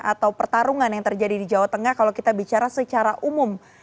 atau pertarungan yang terjadi di jawa tengah kalau kita bicara secara umum